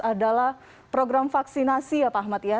adalah program vaksinasi ya pak ahmad ya